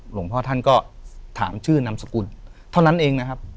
หลวงพ่อท่านก็ถามชื่อนามสกุลเท่านั้นเองนะครับ